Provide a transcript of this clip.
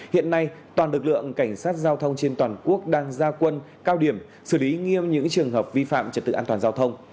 hiện nay toàn lực lượng cảnh sát giao thông trên toàn quốc đang gia quân cao điểm xử lý nghiêm những trường hợp vi phạm trật tự an toàn giao thông